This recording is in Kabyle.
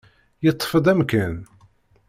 Yeṭṭef-d amkan.